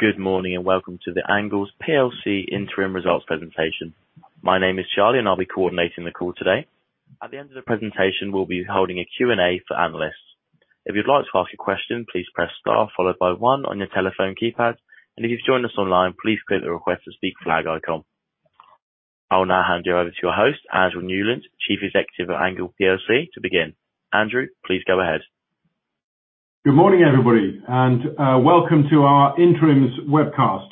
Good morning, and welcome to the Angle PLC interim results presentation. My name is Charlie and I'll be coordinating the call today. At the end of the presentation, we'll be holding a Q&A for analysts. If you'd like to ask a question, please press star followed by one on your telephone keypad. If you've joined us online, please click the Request to Speak flag icon. I will now hand you over to your host, Andrew Newland, Chief Executive at Angle PLC, to begin. Andrew, please go ahead. Good morning, everybody, welcome to our interims webcast.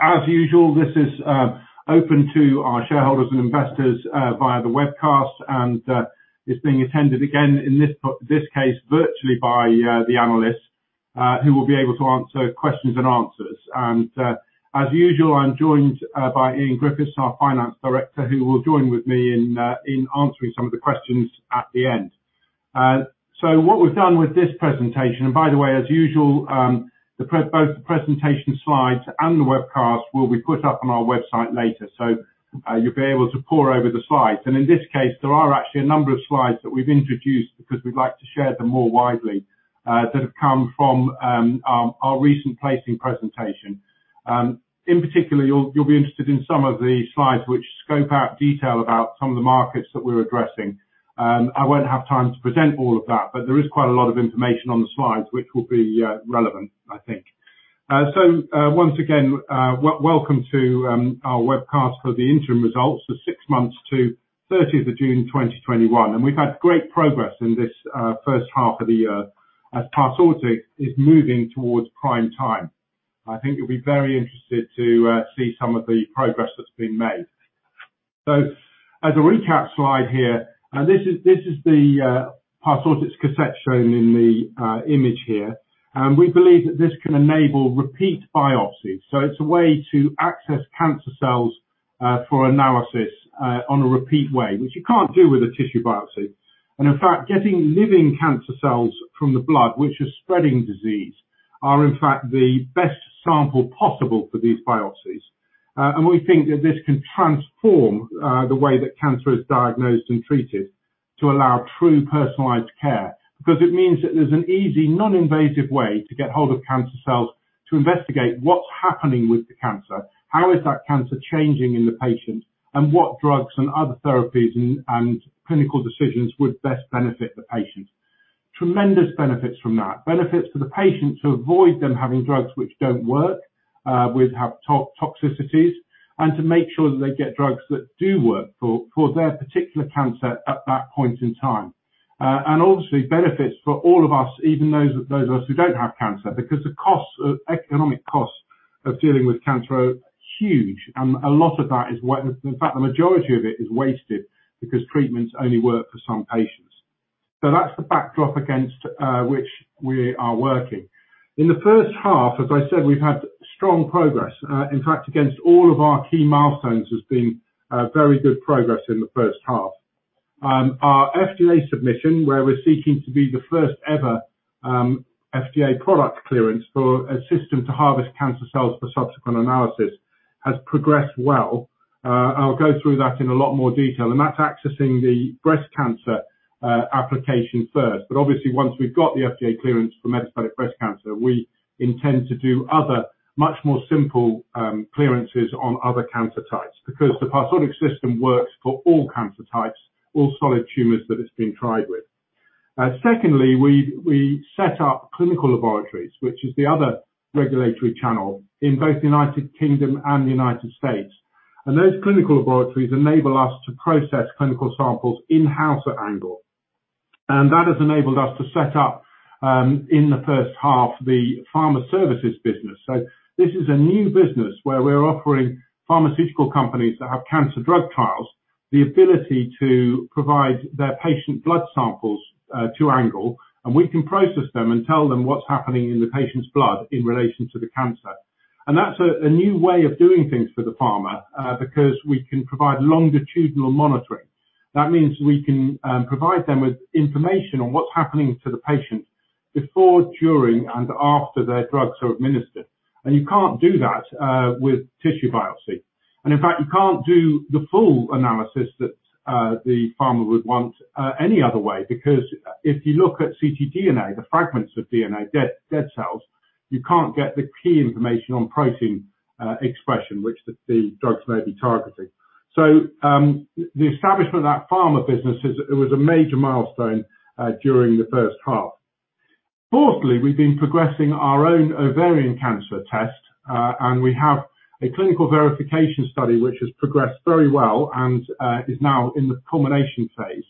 As usual, this is open to our shareholders and investors via the webcast and is being attended again in this case virtually by the analysts, who will be able to answer questions and answers. As usual, I'm joined by Ian Griffiths, our Finance Director, who will join with me in answering some of the questions at the end. What we've done with this presentation, and by the way, as usual both the presentation slides and the webcast will be put up on our website later. You'll be able to pore over the slides. In this case, there are actually a number of slides that we've introduced because we'd like to share them more widely, that have come from our recent placing presentation. In particular, you'll be interested in some of the slides which scope out detail about some of the markets that we're addressing. I won't have time to present all of that, but there is quite a lot of information on the slides which will be relevant, I think. Once again, welcome to our webcast for the interim results for six months to 30th of June 2021. We've had great progress in this first half of the year as Parsortix is moving towards prime time. I think you'll be very interested to see some of the progress that's been made. As a recap slide here, and this is the Parsortix cassette shown in the image here. We believe that this can enable repeat biopsies. It's a way to access cancer cells, for analysis on a repeat way, which you can't do with a tissue biopsy. In fact, getting living cancer cells from the blood, which are spreading disease, are in fact the best sample possible for these biopsies. We think that this can transform the way that cancer is diagnosed and treated to allow true personalized care, because it means that there's an easy, non-invasive way to get hold of cancer cells to investigate what's happening with the cancer, how is that cancer changing in the patient, and what drugs and other therapies and clinical decisions would best benefit the patient. Tremendous benefits from that. Benefits for the patient to avoid them having drugs which don't work, which have toxicities, and to make sure that they get drugs that do work for their particular cancer at that point in time. Obviously benefits for all of us, even those of us who don't have cancer, because the economic costs of dealing with cancer are huge. A lot of that, in fact, the majority of it is wasted because treatments only work for some patients. That's the backdrop against which we are working. In the first half, as I said, we've had strong progress. In fact, against all of our key milestones has been very good progress in the first half. Our FDA submission, where we're seeking to be the first ever FDA product clearance for a system to harvest cancer cells for subsequent analysis, has progressed well. I'll go through that in a lot more detail. That's accessing the breast cancer application first. Obviously once we've got the FDA clearance for metastatic breast cancer, we intend to do other much more simple clearances on other cancer types, because the Parsortix system works for all cancer types, all solid tumors that it's been tried with. Secondly, we set up clinical laboratories, which is the other regulatory channel in both the U.K. and the U.S. Those clinical laboratories enable us to process clinical samples in-house at Angle. That has enabled us to set up, in the first half, the pharma services business. This is a new business where we're offering pharmaceutical companies that have cancer drug trials, the ability to provide their patient blood samples to Angle, and we can process them and tell them what's happening in the patient's blood in relation to the cancer. That's a new way of doing things for the pharma, because we can provide longitudinal monitoring. That means we can provide them with information on what's happening to the patient before, during, and after their drugs are administered. You can't do that with tissue biopsy. In fact, you can't do the full analysis that the pharma would want any other way, because if you look at ctDNA, the fragments of DNA, dead cells, you can't get the key information on protein expression, which the drugs may be targeting. The establishment of that pharma business, it was a major milestone during the first half. Fourthly, we've been progressing our own ovarian cancer test, and we have a clinical verification study which has progressed very well and is now in the culmination phase.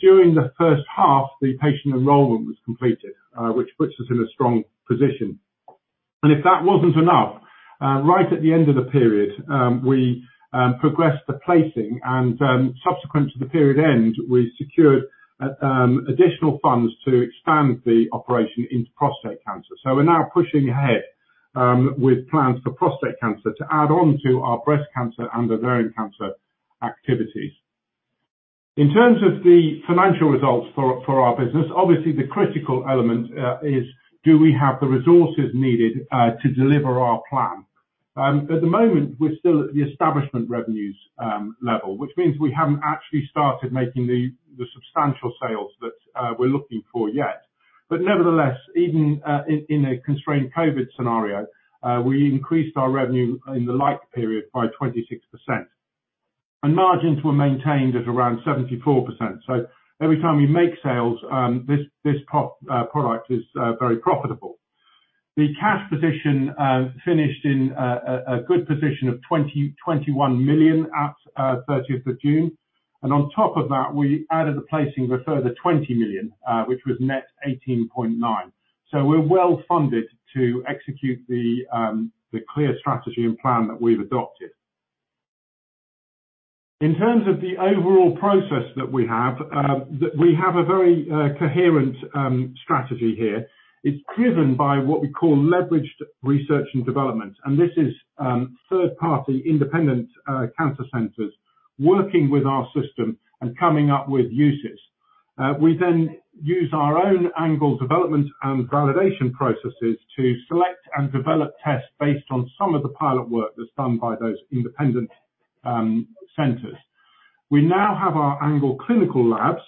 During the first half, the patient enrollment was completed, which puts us in a strong position. If that wasn't enough, right at the end of the period, we progressed the placing and, subsequent to the period end, we secured additional funds to expand the operation into prostate cancer. We're now pushing ahead with plans for prostate cancer to add on to our breast cancer and ovarian cancer activities. In terms of the financial results for our business, obviously the critical element is do we have the resources needed to deliver our plan? At the moment, we're still at the establishment revenues level, which means we haven't actually started making the substantial sales that we're looking for yet. Nevertheless, even in a constrained COVID scenario, we increased our revenue in the like period by 26%. Margins were maintained at around 74%. Every time we make sales, this product is very profitable. The cash position finished in a good position of 21 million at 30th of June. On top of that, we added a placing a further 20 million, which was net 18.9. We're well-funded to execute the clear strategy and plan that we've adopted. In terms of the overall process that we have, we have a very coherent strategy here. It's driven by what we call leveraged research and development, and this is third-party independent cancer centers working with our system and coming up with uses. We then use our own Angle development and validation processes to select and develop tests based on some of the pilot work that's done by those independent centers. We now have our Angle clinical labs,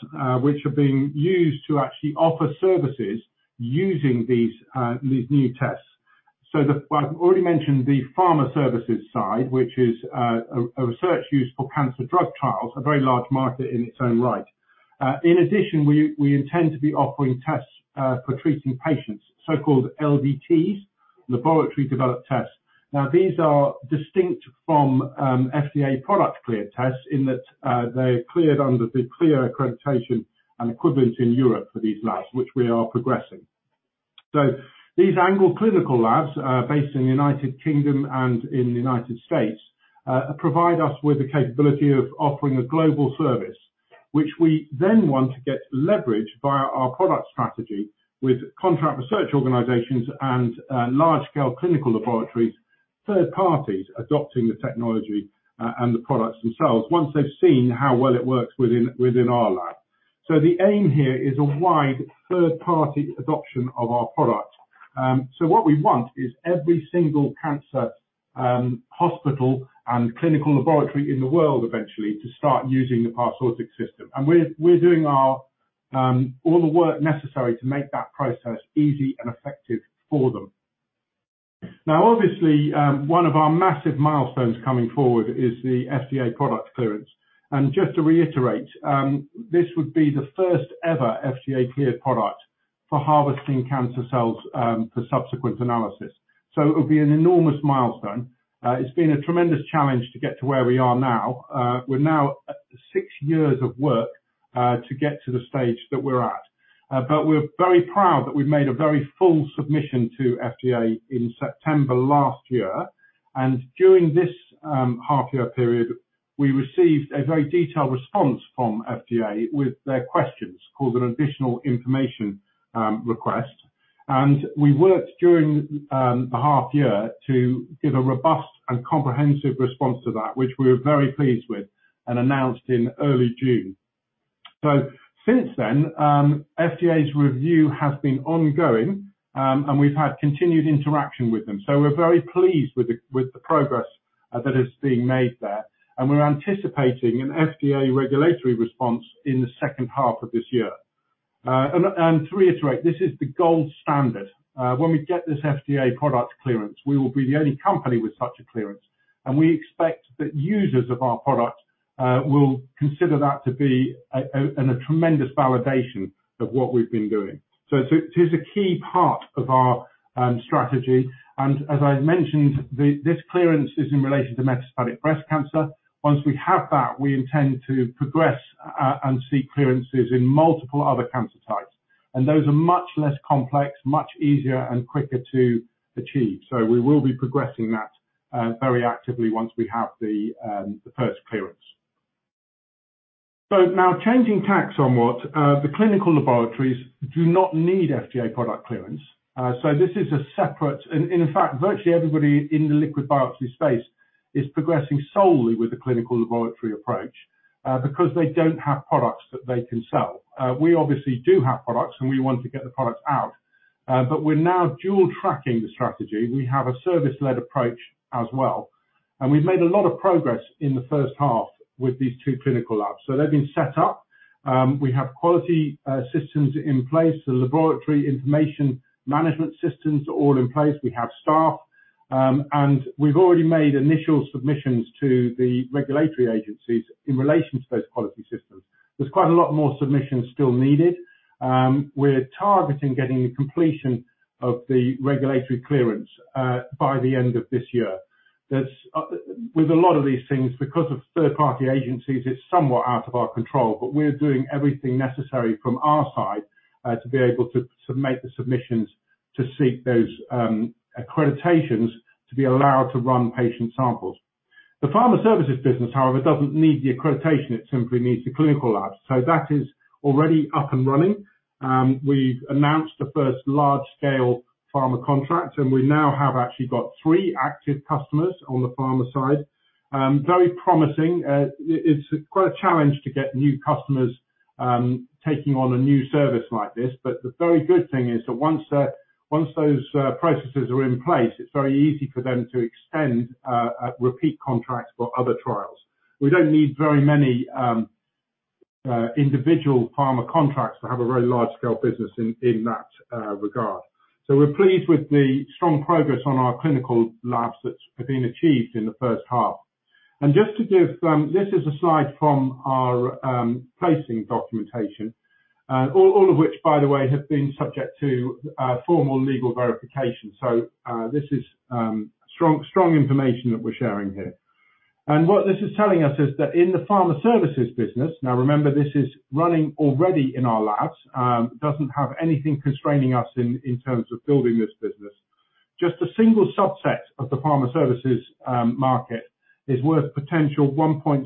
which are being used to actually offer services using these new tests. I've already mentioned the pharma services side, which is a research use for cancer drug trials, a very large market in its own right. In addition, we intend to be offering tests for treating patients, so-called LDTs, Laboratory Developed Tests. These are distinct from FDA product clear tests in that they're cleared under the CLIA accreditation and equivalence in Europe for these labs, which we are progressing. These Angle clinical labs are based in the U.K. and in the U.S., provide us with the capability of offering a global service, which we then want to get leverage via our product strategy with contract research organizations and large-scale clinical laboratories, third parties adopting the technology, and the products themselves, once they've seen how well it works within our lab. The aim here is a wide third-party adoption of our product. What we want is every single cancer hospital and clinical laboratory in the world eventually to start using the Parsortix system. We're doing all the work necessary to make that process easy and effective for them. Obviously, one of our massive milestones coming forward is the FDA product clearance. Just to reiterate, this would be the first ever FDA-cleared product for harvesting cancer cells, for subsequent analysis. It'll be an enormous milestone. It's been a tremendous challenge to get to where we are now. We're now at 6 years of work, to get to the stage that we're at. We're very proud that we've made a very full submission to FDA in September last year. During this half-year period, we received a very detailed response from FDA with their questions, called an additional information request. We worked during the half year to give a robust and comprehensive response to that, which we were very pleased with and announced in early June. Since then, FDA's review has been ongoing, and we've had continued interaction with them. We're very pleased with the progress that is being made there, and we're anticipating an FDA regulatory response in the second half of this year. To reiterate, this is the gold standard. When we get this FDA product clearance, we will be the only company with such a clearance, and we expect that users of our product will consider that to be a tremendous validation of what we've been doing. It is a key part of our strategy. As I mentioned, this clearance is in relation to metastatic breast cancer. Once we have that, we intend to progress, and seek clearances in multiple other cancer types. Those are much less complex, much easier, and quicker to achieve. We will be progressing that very actively once we have the first clearance. Now changing tack somewhat, the clinical laboratories do not need FDA product clearance. This is a separate, and in fact, virtually everybody in the liquid biopsy space is progressing solely with the clinical laboratory approach, because they don't have products that they can sell. We obviously do have products, and we want to get the products out. We're now dual tracking the strategy. We have a service-led approach as well, and we've made a lot of progress in the first half with these two clinical labs. They've been set up. We have quality systems in place, the laboratory information management systems are all in place. We have staff. We've already made initial submissions to the regulatory agencies in relation to those quality systems. There's quite a lot more submissions still needed. We're targeting getting completion of the regulatory clearance by the end of this year. With a lot of these things, because of third-party agencies, it's somewhat out of our control, but we're doing everything necessary from our side, to be able to make the submissions to seek those accreditations to be allowed to run patient samples. The pharma services business, however, doesn't need the accreditation. It simply needs the clinical labs. That is already up and running. We've announced the first large-scale pharma contract, and we now have actually got three active customers on the pharma side. Very promising. It's quite a challenge to get new customers. Taking on a new service like this, the very good thing is that once those processes are in place, it's very easy for them to extend repeat contracts for other trials. We don't need very many individual pharma contracts to have a very large-scale business in that regard. We're pleased with the strong progress on our clinical labs that have been achieved in the first half. Just to give, this is a slide from our placing documentation. All of which, by the way, have been subject to formal legal verification. This is strong information that we're sharing here. What this is telling us is that in the pharma services business, now remember, this is running already in our labs, doesn't have anything constraining us in terms of building this business. Just a single subset of the pharma services market is worth a potential $1.6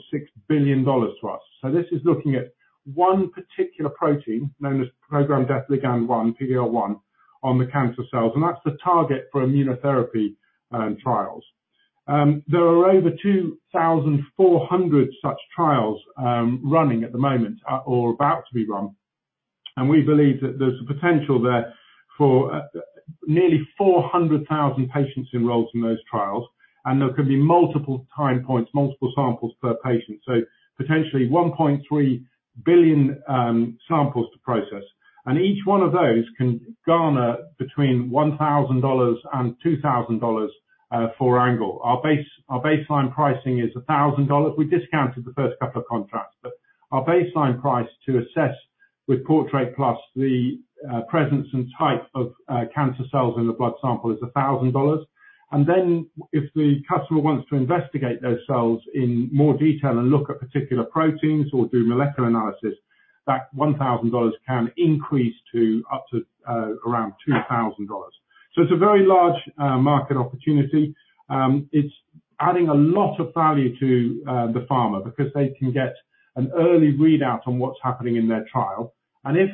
billion to us. This is looking at one particular protein known as programmed death ligand 1, PD-L1, on the cancer cells, and that's the target for immunotherapy trials. There are over 2,400 such trials running at the moment or about to be run, and we believe that there's a potential there for nearly 400,000 patients enrolled in those trials, and there could be multiple time points, multiple samples per patient. Potentially 1.3 billion samples to process. Each one of those can garner between $1,000 and $2,000 for Angle. Our baseline pricing is $1,000. We discounted the first couple of contracts, but our baseline price to assess with Portrait plus the presence and type of cancer cells in the blood sample is $1,000. Then if the customer wants to investigate those cells in more detail and look at particular proteins or do molecular analysis, that $1,000 can increase to up to around $2,000. It's a very large market opportunity. It's adding a lot of value to the pharma because they can get an early readout on what's happening in their trial. If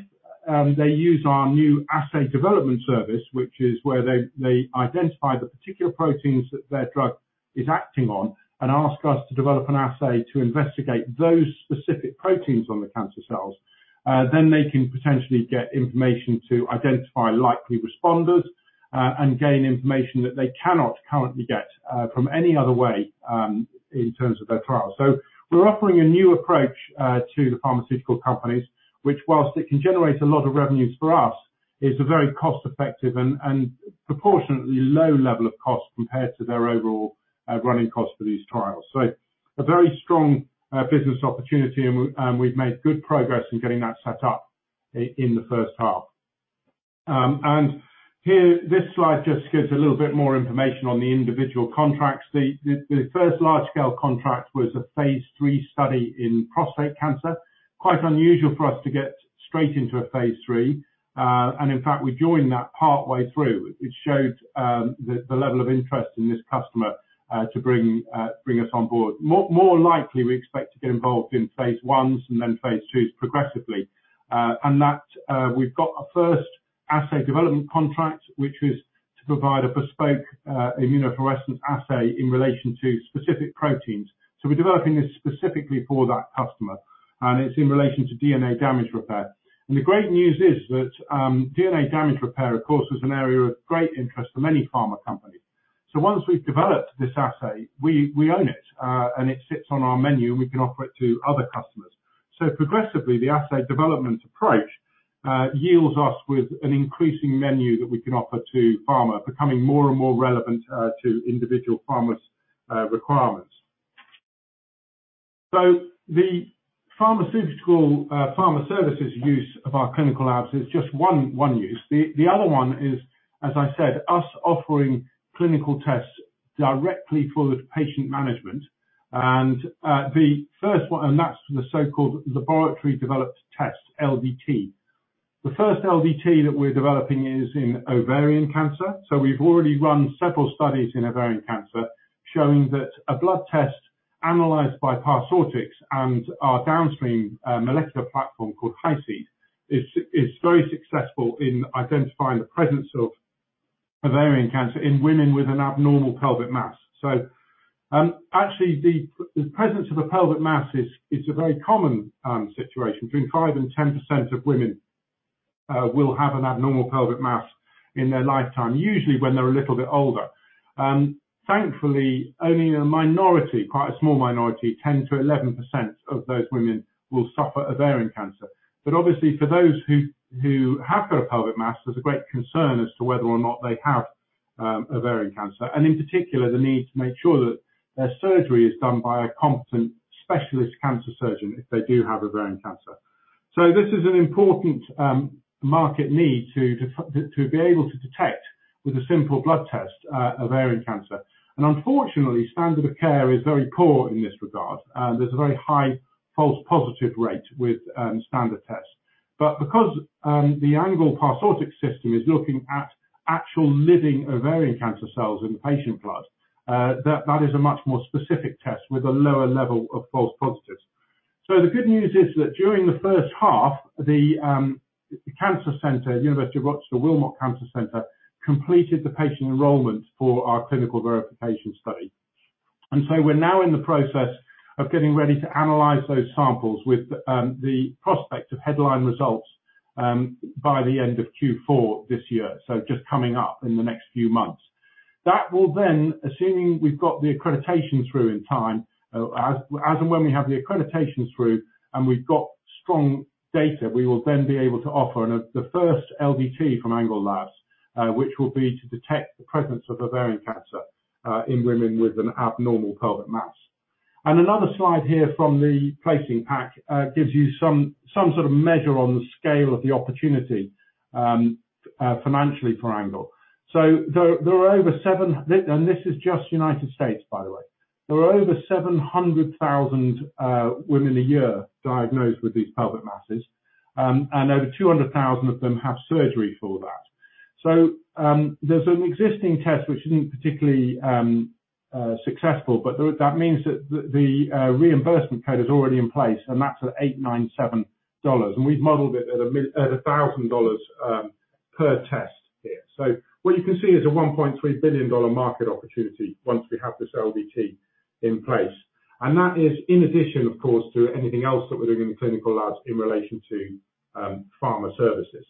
they use our new assay development service, which is where they identify the particular proteins that their drug is acting on and ask us to develop an assay to investigate those specific proteins on the cancer cells, then they can potentially get information to identify likely responders, and gain information that they cannot currently get from any other way, in terms of their trial. We're offering a new approach to the pharmaceutical companies, which whilst it can generate a lot of revenues for us, is a very cost-effective and proportionately low level of cost compared to their overall running cost for these trials. A very strong business opportunity, and we've made good progress in getting that set up in the first half. Here, this slide just gives a little bit more information on the individual contracts. The first large-scale contract was a phase III study in prostate cancer. Quite unusual for us to get straight into a phase III. In fact, we joined that partway through, which showed the level of interest in this customer to bring us on board. More likely, we expect to get involved in phase I and then phase II progressively. That we have got a first assay development contract, which is to provide a bespoke immunofluorescence assay in relation to specific proteins. We are developing this specifically for that customer, and it is in relation to DNA damage repair. The great news is that DNA damage repair, of course, is an area of great interest for many pharma companies. Once we have developed this assay, we own it, and it sits on our menu, and we can offer it to other customers. Progressively, the assay development approach yields us with an increasing menu that we can offer to pharma, becoming more and more relevant to individual pharma’s requirements. The pharmaceutical pharma services use of our clinical labs is just one use. The other one is, as I said, us offering clinical tests directly for the patient management. That is the so-called Laboratory Developed Test, LDT. The first LDT that we're developing is in ovarian cancer. We've already run several studies in ovarian cancer showing that a blood test analyzed by Parsortix and our downstream molecular platform called HyCEAD is very successful in identifying the presence of ovarian cancer in women with an abnormal pelvic mass. Actually, the presence of a pelvic mass is a very common situation. Between 5% and 10% of women will have an abnormal pelvic mass in their lifetime, usually when they're a little bit older. Thankfully, only a minority, quite a small minority, 10%-11% of those women will suffer ovarian cancer. Obviously, for those who have got a pelvic mass, there's a great concern as to whether or not they have ovarian cancer, and in particular, the need to make sure that their surgery is done by a competent specialist cancer surgeon if they do have ovarian cancer. This is an important market need, to be able to detect with a simple blood test, ovarian cancer. Unfortunately, standard of care is very poor in this regard. There's a very high false positive rate with standard tests. Because the Angle Parsortix system is looking at actual living ovarian cancer cells in the patient blood, that is a much more specific test with a lower level of false positives. The good news is that during the first half, the cancer center, University of Rochester Wilmot Cancer Center, completed the patient enrollment for our clinical verification study. We're now in the process of getting ready to analyze those samples with the prospect of headline results by the end of Q4 this year, just coming up in the next few months. That will then, assuming we've got the accreditation through in time, as and when we have the accreditations through and we've got strong data, we will then be able to offer the first LDT from Angle Labs, which will be to detect the presence of ovarian cancer in women with an abnormal pelvic mass. Another slide here from the placing pack gives you some sort of measure on the scale of the opportunity, financially, for Angle. This is just United States, by the way. There are over 700,000 women a year diagnosed with these pelvic masses, and over 200,000 of them have surgery for that. There's an existing test, which isn't particularly successful, but that means that the reimbursement code is already in place, and that's at $897, and we've modeled it at $1,000 per test here. What you can see is a $1.3 billion market opportunity once we have this LDT in place. And that is in addition, of course, to anything else that we're doing in the Clinical Labs in relation to pharma services.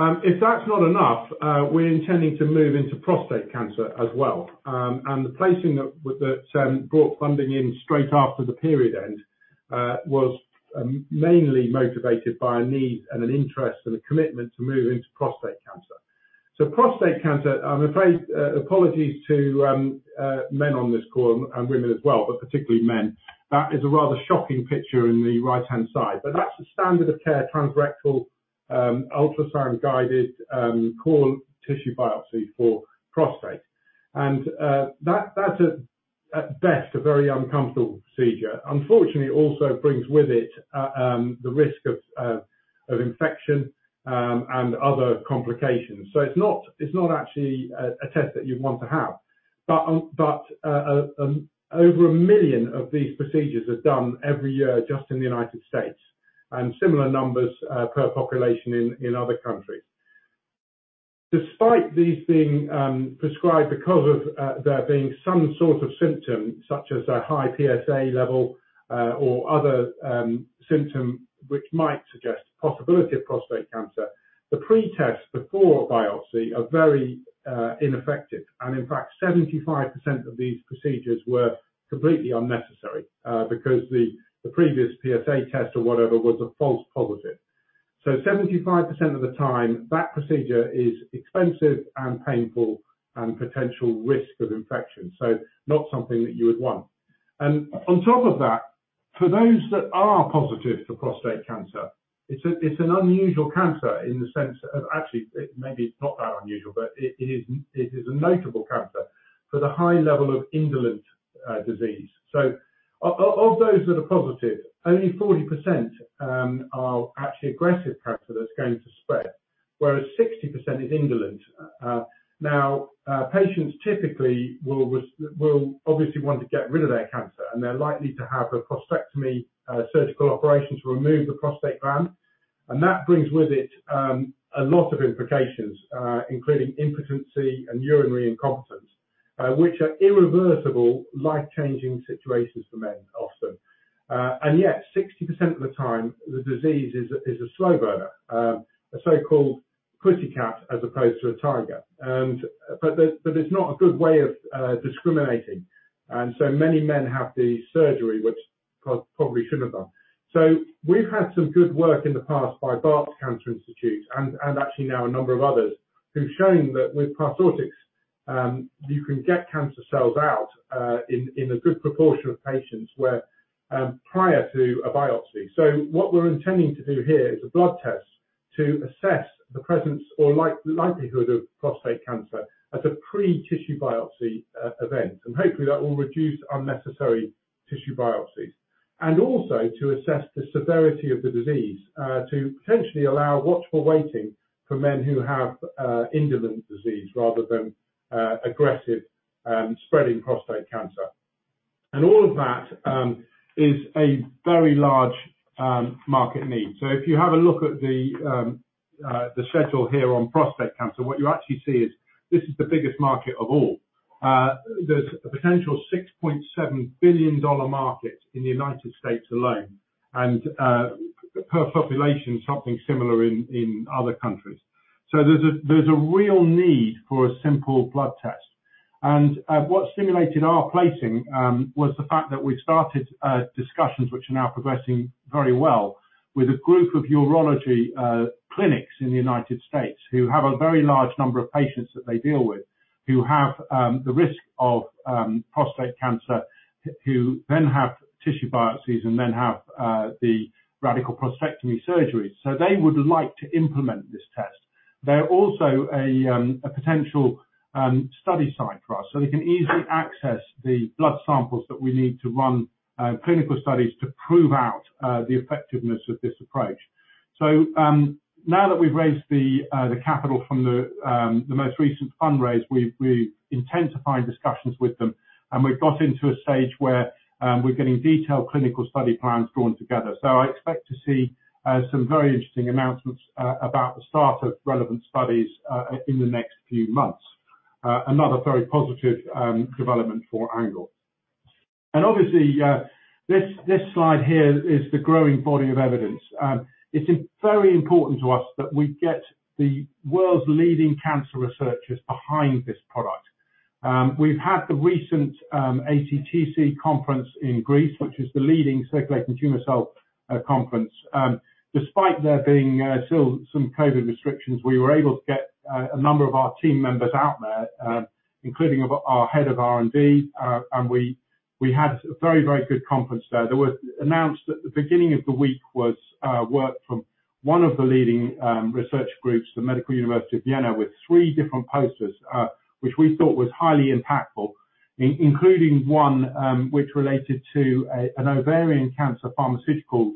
If that's not enough, we're intending to move into prostate cancer as well. And the placing that brought funding in straight after the period end was mainly motivated by a need and an interest and a commitment to move into prostate cancer. Prostate cancer, I'm afraid, apologies to men on this call, and women as well, but particularly men. That is a rather shocking picture in the right-hand side. That's the standard of care transrectal ultrasound-guided core tissue biopsy for prostate. That's, at best, a very uncomfortable procedure. Unfortunately, it also brings with it the risk of infection and other complications. It's not actually a test that you'd want to have. Over 1 million of these procedures are done every year just in the United States, and similar numbers per population in other countries. Despite these being prescribed because of there being some sort of symptom, such as a high PSA level, or other symptom which might suggest possibility of prostate cancer, the pre-tests before biopsy are very ineffective. In fact, 75% of these procedures were completely unnecessary because the previous PSA test or whatever was a false positive. 75% of the time, that procedure is expensive and painful and potential risk of infection. Not something that you would want. On top of that, for those that are positive for prostate cancer, it's an unusual cancer in the sense of, actually, maybe it's not that unusual, but it is a notable cancer for the high level of indolent disease. Of those that are positive, only 40% are actually aggressive cancer that's going to spread, whereas 60% is indolent. Patients typically will obviously want to get rid of their cancer, and they're likely to have a prostatectomy surgical operation to remove the prostate gland. That brings with it a lot of implications, including impotency and urinary incontinence, which are irreversible, life-changing situations for men, often. Yet, 60% of the time, the disease is a slow burner, a so-called pussycat as opposed to a tiger. There's not a good way of discriminating. Many men have the surgery, which probably shouldn't have done. We've had some good work in the past by Barts Cancer Institute and actually now a number of others who've shown that with Parsortix, you can get cancer cells out in a good proportion of patients prior to a biopsy. What we're intending to do here is a blood test to assess the presence or likelihood of prostate cancer as a pre-tissue biopsy event. Hopefully, that will reduce unnecessary tissue biopsies. Also to assess the severity of the disease to potentially allow watchful waiting for men who have indolent disease rather than aggressive spreading prostate cancer. All of that is a very large market need. If you have a look at the schedule here on prostate cancer, what you actually see is this is the biggest market of all. There's a potential $6.7 billion market in the United States alone, and per population, something similar in other countries. There's a real need for a simple blood test. What stimulated our placing was the fact that we started discussions, which are now progressing very well, with a group of urology clinics in the United States who have a very large number of patients that they deal with who have the risk of prostate cancer, who then have tissue biopsies and then have the radical prostatectomy surgeries. They would like to implement this test. They're also a potential study site for us. We can easily access the blood samples that we need to run clinical studies to prove out the effectiveness of this approach. Now that we've raised the capital from the most recent fundraise, we've intensified discussions with them, and we've got into a stage where we're getting detailed clinical study plans drawn together. I expect to see some very interesting announcements about the start of relevant studies in the next few months. Another very positive development for Angle. Obviously, this slide here is the growing body of evidence. It's very important to us that we get the world's leading cancer researchers behind this product. We've had the recent ACTC conference in Greece, which is the leading circulating tumor cell conference. Despite there being still some COVID restrictions, we were able to get a number of our team members out there, including our head of R&D, and we had a very good conference there. There was announced at the beginning of the week was work from one of the leading research groups, the Medical University of Vienna, with three different posters, which we thought was highly impactful, including one which related to an ovarian cancer pharmaceutical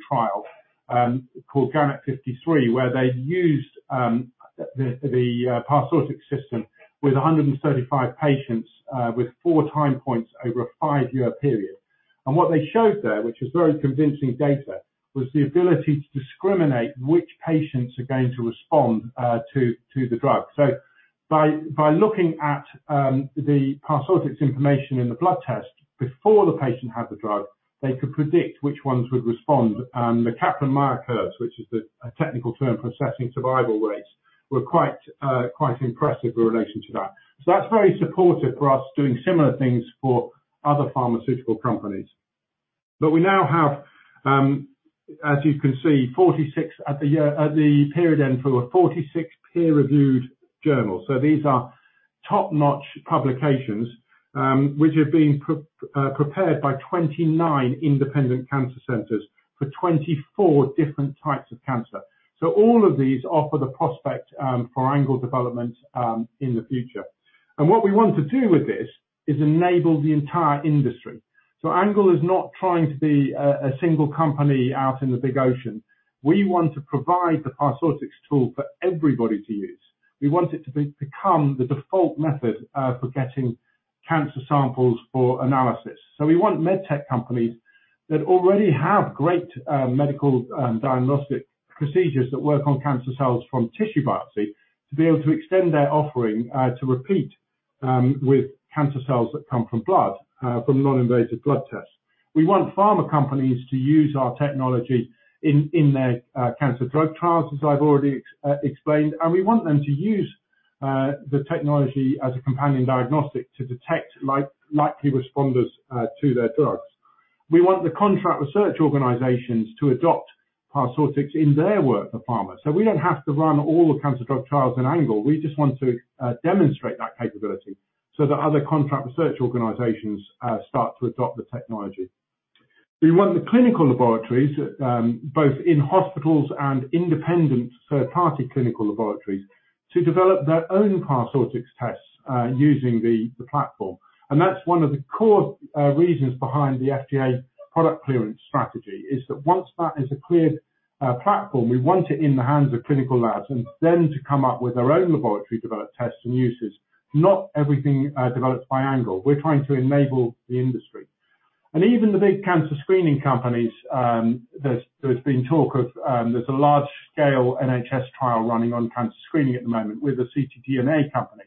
trial, called GANNET53, where they used the Parsortix system with 135 patients with four time points over a five year period. What they showed there, which was very convincing data, was the ability to discriminate which patients are going to respond to the drug. By looking at the Parsortix information in the blood test before the patient had the drug, they could predict which ones would respond. The Kaplan-Meier curves, which is the technical term for assessing survival rates, were quite impressive in relation to that. That's very supportive for us doing similar things for other pharmaceutical companies. We now have, as you can see, at the period end, 46 peer-reviewed journals. These are top-notch publications, which have been prepared by 29 independent cancer centers for 24 different types of cancer. All of these offer the prospect for Angle development in the future. What we want to do with this is enable the entire industry. Angle is not trying to be a single company out in the big ocean. We want to provide the Parsortix tool for everybody to use. We want it to become the default method for getting cancer samples for analysis. We want medtech companies that already have great medical diagnostic procedures that work on cancer cells from tissue biopsy to be able to extend their offering to repeat with cancer cells that come from blood, from non-invasive blood tests. We want pharma companies to use our technology in their cancer drug trials, as I've already explained. We want them to use the technology as a companion diagnostic to detect likely responders to their drugs. We want the contract research organizations to adopt Parsortix in their work for pharma. We don't have to run all the cancer drug trials in Angle. We just want to demonstrate that capability so that other contract research organizations start to adopt the technology. We want the clinical laboratories, both in hospitals and independent third-party clinical laboratories, to develop their own Parsortix tests using the platform. That's one of the core reasons behind the FDA product clearance strategy, is that once that is a cleared platform, we want it in the hands of clinical labs and then to come up with their own Laboratory Developed Tests and uses, not everything developed by Angle. We're trying to enable the industry. Even the big cancer screening companies, there's been talk of, there's a large-scale NHS trial running on cancer screening at the moment with a ctDNA company.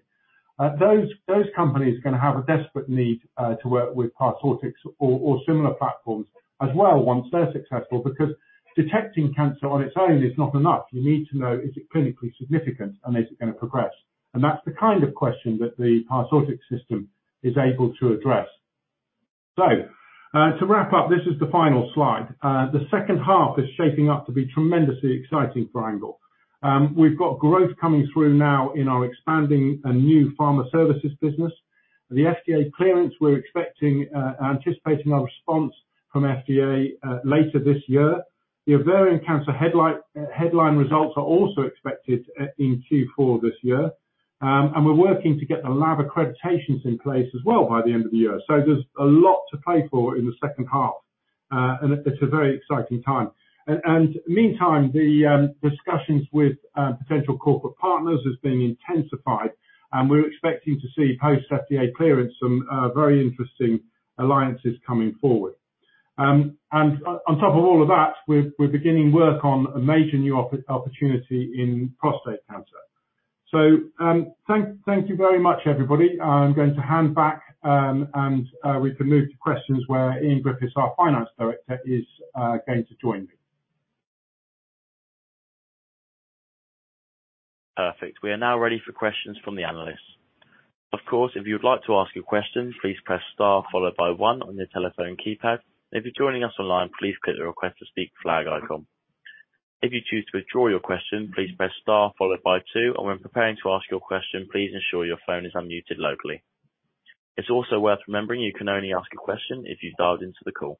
Those companies are going to have a desperate need to work with Parsortix or similar platforms as well once they're successful, because detecting cancer on its own is not enough. You need to know, is it clinically significant and is it going to progress? That's the kind of question that the Parsortix system is able to address. To wrap up, this is the final slide. The second half is shaping up to be tremendously exciting for Angle. We've got growth coming through now in our expanding and new pharma services business. The FDA clearance we're expecting, anticipating a response from FDA later this year. The ovarian cancer headline results are also expected in Q4 this year. We're working to get the lab accreditations in place as well by the end of the year. There's a lot to play for in the second half. It's a very exciting time. Meantime, the discussions with potential corporate partners has been intensified, and we're expecting to see post-FDA clearance, some very interesting alliances coming forward. On top of all of that, we're beginning work on a major new opportunity in prostate cancer. Thank you very much, everybody. I'm going to hand back, and we can move to questions where Ian Griffiths, our Finance Director, is going to join me. Perfect. We are now ready for questions from the analysts. Of course, if you'd like to ask a question, please press star followed by one on your telephone keypad. If you've joined us online, please click the Request to Speak flag icon. If you choose to withdraw your question please press star followed by two. If you prepare to ask your question, please ensure your phone is unmuted locally. It's also worth remembering, you could only ask a question if you dive to call.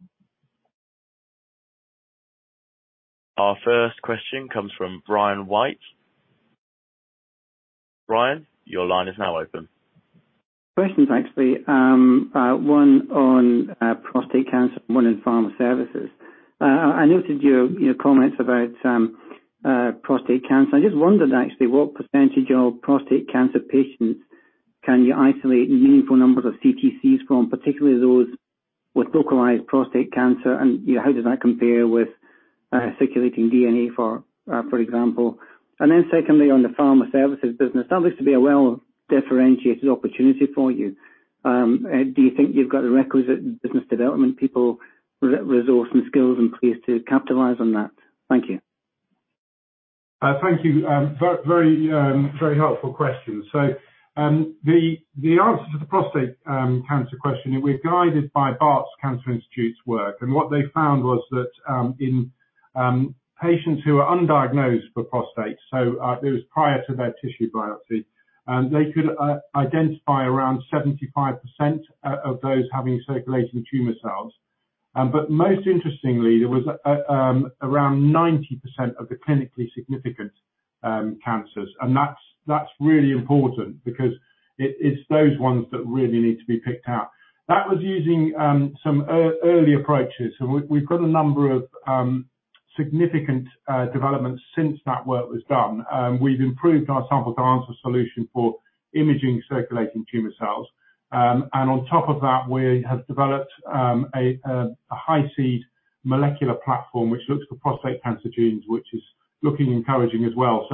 Our first question comes from Brian White. Brian, your line is now open. Questions, actually. One on prostate cancer, one on pharma services. I noted your comments about prostate cancer. I just wondered actually what percentage of prostate cancer patients can you isolate meaningful numbers of CTCs from, particularly those with localized prostate cancer, and how does that compare with Circulating DNA, for example. Secondly, on the pharma services business, that looks to be a well-differentiated opportunity for you. Do you think you've got the requisite business development people, resource and skills in place to capitalize on that? Thank you. Thank you. Very helpful question. The answer to the prostate cancer question, we're guided by Barts Cancer Institute's work. What they found was that in patients who are undiagnosed for prostate, so it was prior to their tissue biopsy, they could identify around 75% of those having circulating tumor cells. Most interestingly, there was around 90% of the clinically significant cancers. That's really important because it's those ones that really need to be picked out. That was using some early approaches. We've got a number of significant developments since that work was done. We've improved our sample to answer solution for imaging circulating tumor cells. On top of that, we have developed a HyCEAD molecular platform, which looks for prostate cancer genes, which is looking encouraging as well.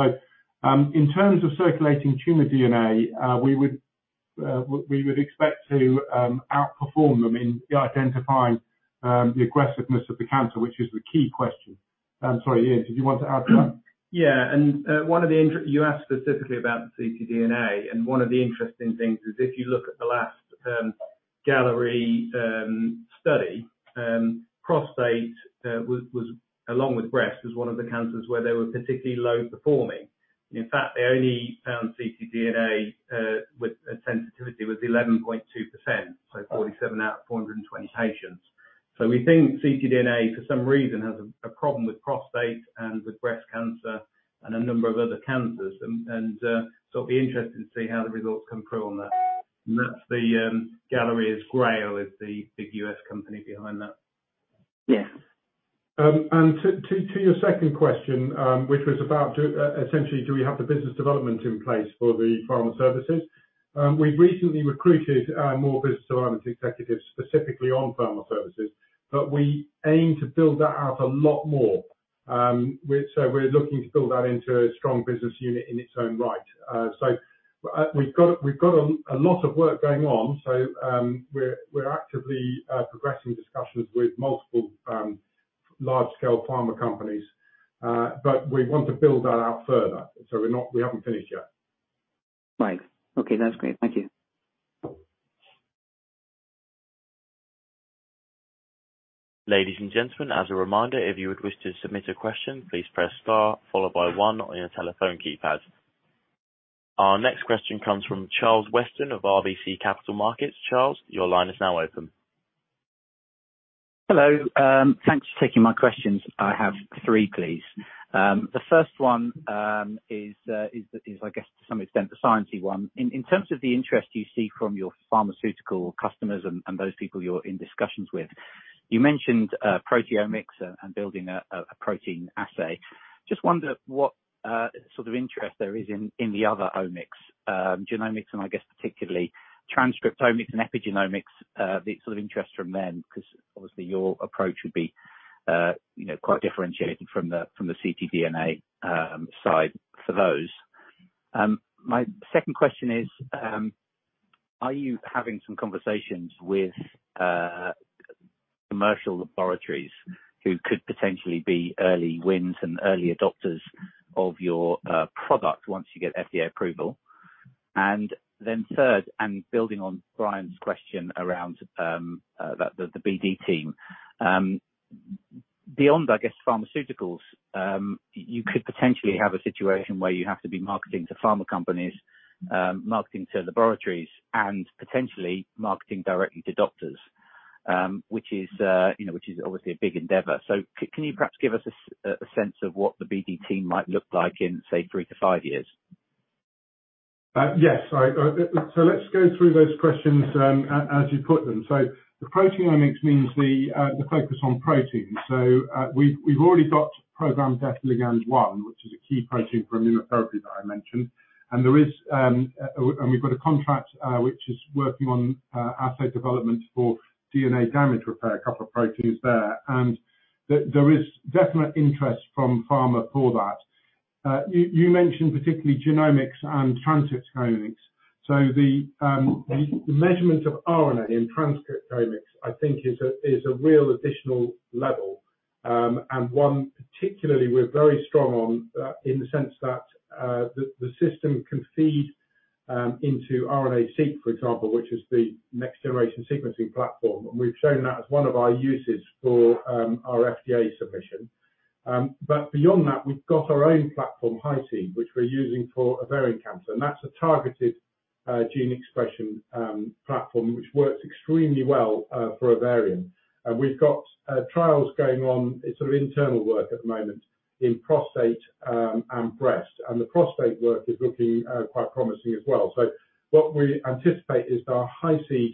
In terms of circulating tumor DNA, we would expect to outperform them in identifying the aggressiveness of the cancer, which is the key question. I am sorry, Ian, did you want to add to that? You asked specifically about ctDNA. One of the interesting things is if you look at the last Galleri study, prostate, along with breast, was one of the cancers where they were particularly low performing. In fact, they only found ctDNA with a sensitivity was 11.2%, so 47 out of 420 patients. We think ctDNA, for some reason, has a problem with prostate and with breast cancer and a number of other cancers. It'll be interesting to see how the results come through on that. That's the Galleri is Grail is the big U.S. company behind that. Yes. To your second question, which was about essentially do we have the business development in place for the pharma services? We've recently recruited more business development executives, specifically on pharma services, but we aim to build that out a lot more. We're looking to build that into a strong business unit in its own right. We've got a lot of work going on. We're actively progressing discussions with multiple large-scale pharma companies. We want to build that out further. We haven't finished yet. Right. Okay, that's great. Thank you. Ladies and gentlemen, as a reminder, if you would wish to submit a question, please press star followed by one on your telephone keypad. Our next question comes from Charles Weston of RBC Capital Markets. Charles, your line is now open. Hello. Thanks for taking my questions. I have three, please. The first one is, I guess to some extent, the sciencey one. In terms of the interest you see from your pharmaceutical customers and those people you're in discussions with, you mentioned proteomics and building a protein assay. Just wonder what sort of interest there is in the other omics, genomics, I guess particularly transcriptomics and epigenomics, the sort of interest from them, because obviously your approach would be quite differentiated from the ctDNA side for those. My second question is, are you having some conversations with commercial laboratories who could potentially be early wins and early adopters of your product once you get FDA approval? Then third, building on Brian's question around the BD team. Beyond, I guess, pharmaceuticals, you could potentially have a situation where you have to be marketing to pharma companies, marketing to laboratories, and potentially marketing directly to doctors, which is obviously a big endeavor. Can you perhaps give us a sense of what the BD team might look like in, say, three to five years? Yes. Let's go through those questions as you put them. The proteomics means the focus on proteins. We've already got programmed death ligand one, which is a key protein for immunotherapy that I mentioned. We've got a contract which is working on assay development for DNA damage repair, a couple of proteins there. There is definite interest from pharma for that. You mentioned particularly genomics and transcriptomics. The measurement of RNA in transcriptomics, I think is a real additional level, and one particularly we're very strong on, in the sense that the system can feed into RNA-Seq, for example, which is the next-generation sequencing platform. We've shown that as one of our uses for our FDA submission. Beyond that, we've got our own platform, HyCEAD, which we're using for ovarian cancer, and that's a targeted gene expression platform, which works extremely well for ovarian. We've got trials going on, it's sort of internal work at the moment, in prostate and breast. The prostate work is looking quite promising as well. What we anticipate is our HyCEAD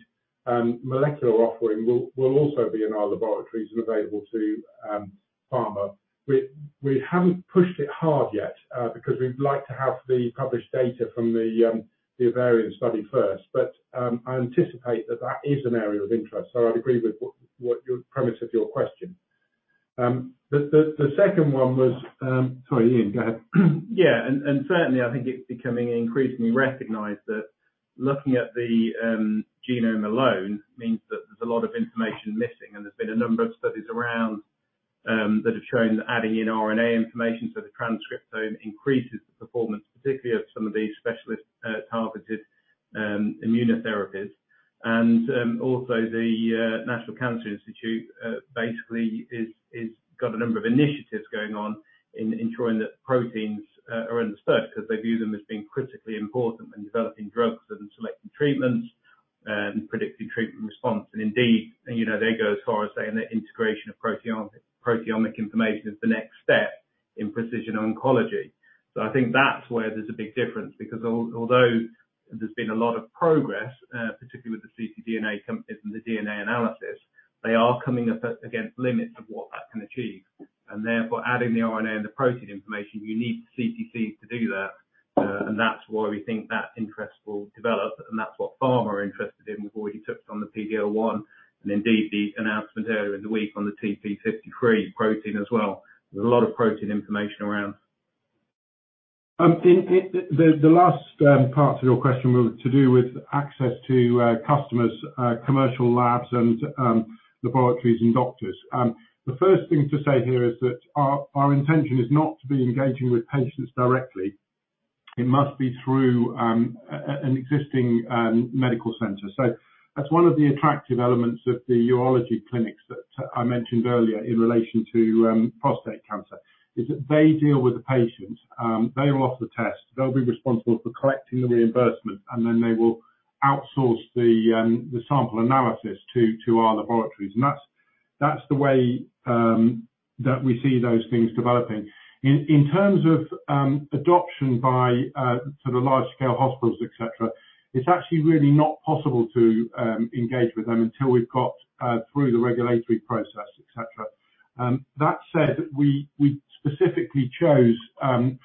molecular offering will also be in our laboratories and available to pharma. We haven't pushed it hard yet because we'd like to have the published data from the ovarian study first. I anticipate that that is an area of interest. I'd agree with the premise of your question. The second one, sorry, Ian, go ahead. Certainly I think it's becoming increasingly recognized that looking at the genome alone means that there's a lot of information missing, and there's been a number of studies around that have shown that adding in RNA information to the transcriptome increases the performance, particularly of some of these specialist targeted immunotherapies. Also the National Cancer Institute basically has got a number of initiatives going on in ensuring that proteins are understood, because they view them as being critically important when developing drugs and selecting treatments and predicting treatment response. Indeed, they go as far as saying that integration of proteomic information is the next step in precision oncology. I think that's where there's a big difference, because although there's been a lot of progress, particularly with the ctDNA companies and the DNA analysis, they are coming up against limits of what that can achieve. Therefore, adding the RNA and the protein information, you need CTCs to do that, and that's why we think that interest will develop and that's what pharma are interested in. We've already touched on the PD-L1 and indeed the announcement earlier in the week on the TP53 protein as well. There's a lot of protein information around. The last part to your question was to do with access to customers, commercial labs, and laboratories and doctors. The first thing to say here is that our intention is not to be engaging with patients directly. It must be through an existing medical center. That's one of the attractive elements of the urology clinics that I mentioned earlier in relation to prostate cancer, is that they deal with the patients. They roll off the test. They'll be responsible for collecting the reimbursement, and then they will outsource the sample analysis to our laboratories. That's the way that we see those things developing. In terms of adoption by sort of large-scale hospitals, et cetera, it's actually really not possible to engage with them until we've got through the regulatory process, et cetera. We specifically chose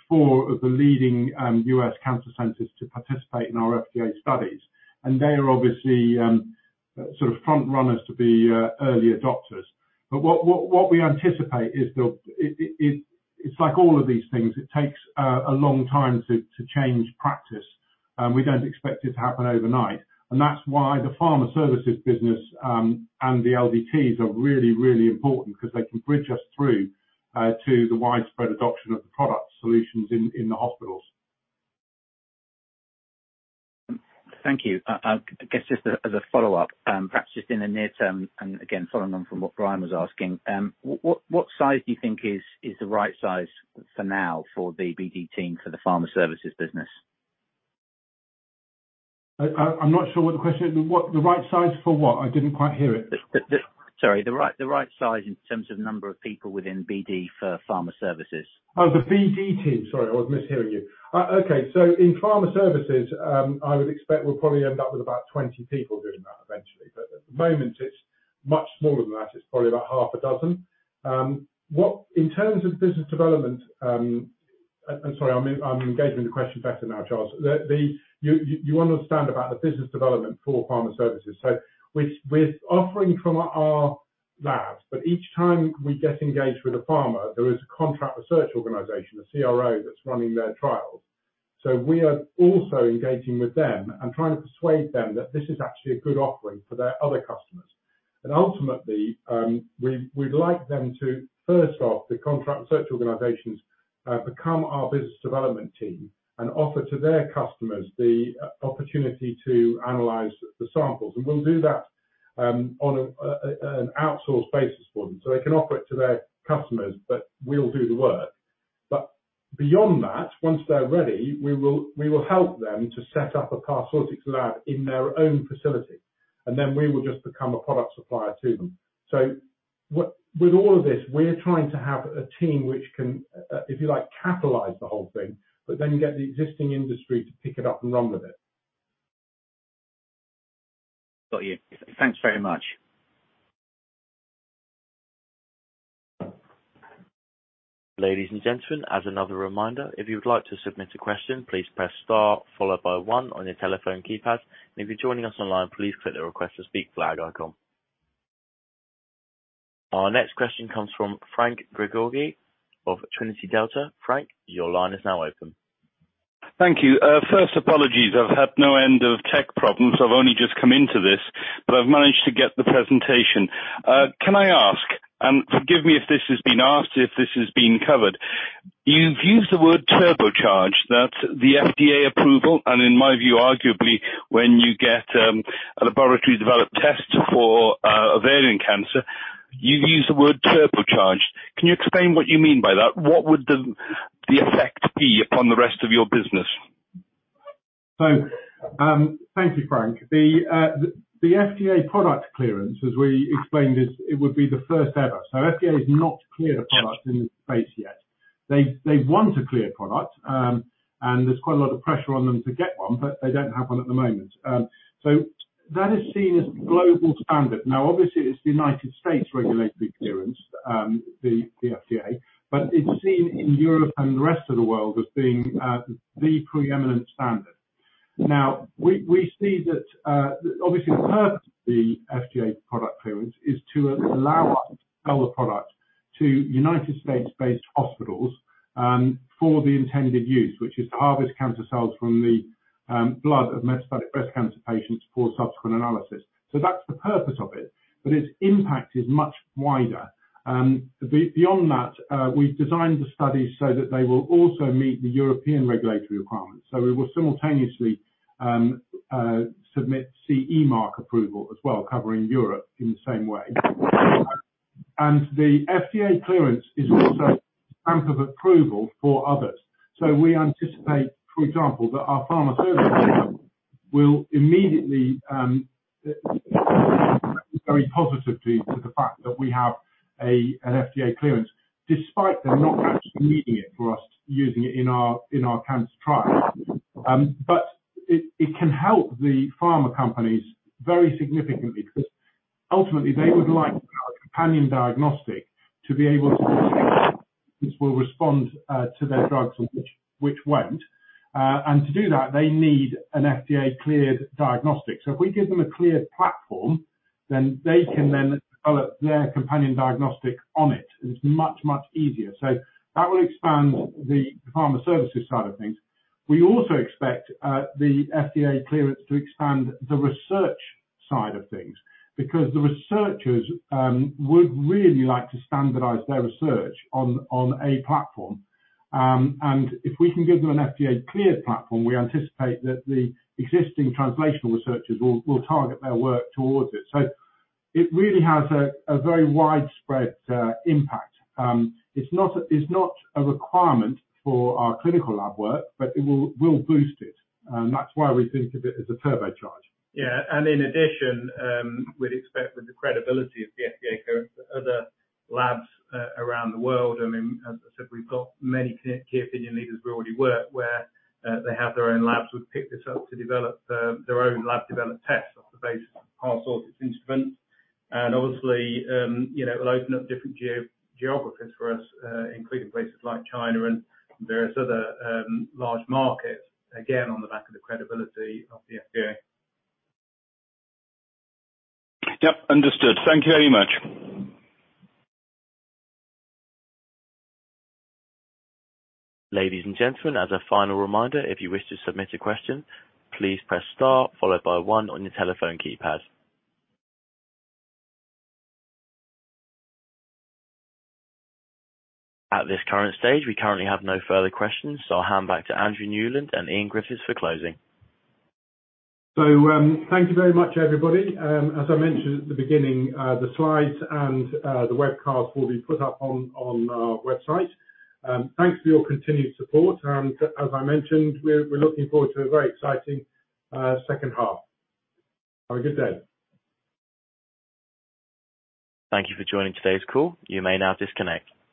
four of the leading U.S. cancer centers to participate in our FDA studies, and they are obviously sort of front runners to be early adopters. What we anticipate is it's like all of these things. It takes a long time to change practice. We don't expect it to happen overnight. That's why the pharma services business, and the LDTs are really, really important because they can bridge us through to the widespread adoption of the product solutions in the hospitals. Thank you. I guess just as a follow-up, perhaps just in the near term, and again, following on from what Brian was asking, what size do you think is the right size for now for the BD team for the pharma services business? I'm not sure what the question is. The right size for what? I didn't quite hear it. Sorry, the right size in terms of number of people within BD for pharma services. Oh, the BD team. Sorry, I was mishearing you. Okay. In pharma services, I would expect we'll probably end up with about 20 people doing that eventually. At the moment, it's much smaller than that. It's probably about half a dozen. In terms of business development, I'm sorry, I'm engaging the question better now, Charles. You understand about the business development for pharma services. We're offering from our labs, but each time we get engaged with a pharma, there is a contract research organization, a CRO, that's running their trials. We are also engaging with them and trying to persuade them that this is actually a good offering for their other customers. Ultimately, we'd like them to, first off, the contract research organizations, become our business development team and offer to their customers the opportunity to analyze the samples. We'll do that on an outsource basis for them, so they can offer it to their customers, but we'll do the work. Beyond that, once they're ready, we will help them to set up a Parsortix lab in their own facility, and then we will just become a product supplier to them. With all of this, we're trying to have a team which can, if you like, catalyze the whole thing, but then get the existing industry to pick it up and run with it. Got you. Thanks very much. Ladies and gentlemen, as another reminder, if you would like to submit a question, please press star followed by one on your telephone keypad. If you're joining us online, please click the Request to Speak flag icon. Our next question comes from Franc Gregori of Trinity Delta. Franc, your line is now open. Thank you. First apologies. I've had no end of tech problems. I've only just come into this, but I've managed to get the presentation. Can I ask, and forgive me if this has been asked, if this has been covered. You've used the word turbocharged. That's the FDA approval, and in my view, arguably, when you get a Laboratory Developed Test for ovarian cancer, you've used the word turbocharged. Can you explain what you mean by that? What would the effect be upon the rest of your business? Thank you, Franc. The FDA product clearance, as we explained it would be the first ever. FDA has not cleared a product in this space yet. They want to clear a product, there's quite a lot of pressure on them to get one, they don't have one at the moment. That is seen as global standard. Obviously, it's the U.S. regulatory clearance, the FDA, it's seen in Europe and the rest of the world as being the preeminent standard. We see that obviously the purpose of the FDA product clearance is to allow us to sell the product to U.S.-based hospitals for the intended use, which is to harvest cancer cells from the blood of metastatic breast cancer patients for subsequent analysis. That's the purpose of it, its impact is much wider. Beyond that, we've designed the studies so that they will also meet the European regulatory requirements. We will simultaneously submit CE mark approval as well, covering Europe in the same way. The FDA clearance is also a stamp of approval for others. We anticipate, for example, that our pharma services will immediately look very positively to the fact that we have an FDA clearance, despite them not actually needing it for us to use it in our cancer trial. It can help the pharma companies very significantly because, ultimately, they would like our companion diagnostic to be able to tell which patients will respond to their drugs and which won't. To do that, they need an FDA-cleared diagnostic. If we give them a cleared platform, then they can then develop their companion diagnostic on it, and it's much, much easier. That will expand the pharma services side of things. We also expect the FDA clearance to expand the research side of things, because the researchers would really like to standardize their research on a platform. If we can give them an FDA-cleared platform, we anticipate that the existing translational researchers will target their work towards it. It really has a very widespread impact. It's not a requirement for our clinical lab work, but it will boost it, and that's why we think of it as a turbocharge. Yeah. In addition, we'd expect with the credibility of the FDA clearance, other labs around the world, as I said, we've got many key opinion leaders we already work with where they have their own labs who've picked this up to develop their own lab-developed tests off the back of our Parsortix instrument. Obviously, it will open up different geographies for us, including places like China and various other large markets, again, on the back of the credibility of the FDA. Yep. Understood. Thank you very much. Ladies and gentlemen, as a final reminder, if you would wish to submit a question, please press star followed by one on your telephone keypad. At this current stage, we currently have no further questions. I'll hand back to Andrew Newland and Ian Griffiths for closing. Thank you very much, everybody. As I mentioned at the beginning, the slides and the webcast will be put up on our website. Thanks for your continued support. As I mentioned, we're looking forward to a very exciting second half. Have a good day. Thank you for joining today's call. You may now disconnect.